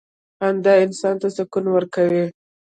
• خندا انسان ته سکون ورکوي.